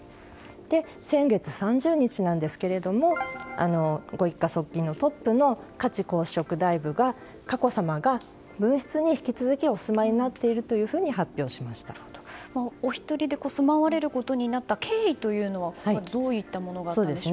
先月３０日なんですがご一家側近のトップの加地皇嗣職大夫が佳子さまが分室に引き続きお住まいになっているとお一人で住まわれることになった経緯というものはどういったものがあったんでしょうか。